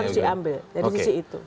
harus diambil dari sisi itu